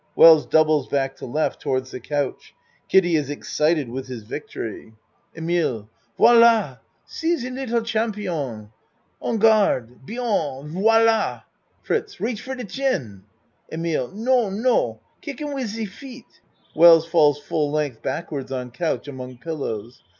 (Wells doubles back to L. towards the couch. Kiddie is excited with his victory.) 12 A MAN'S WORLD EMILE Viola! See ze liddle champion! En garde! Bien! Voila! FRITZ Reach for de chin. EMILE Non, no, Kick him wiz se feet! (Wells falls full length backwards on couch among pillows.